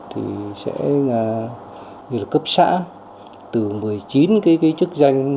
thì sẽ như là cấp xã từ một mươi chín cái chức danh